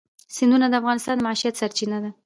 سیندونه د افغانانو د معیشت سرچینه ده.